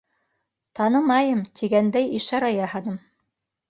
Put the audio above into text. Танымайым тигәндәй ишара яһаным.